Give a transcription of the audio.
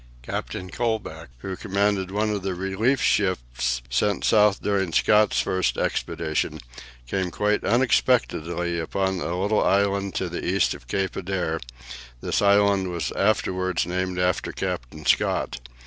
Captain Colbeck, who commanded one of the relief ships sent south during Scott's first expedition, came quite unexpectedly upon a little island to the east of Cape Adare; this island was afterwards named after Captain Scott.